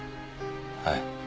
はい。